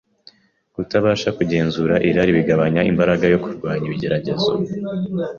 Kutabasha kugenzura irari bigabanya imbaraga yo kurwanya ibigeragezo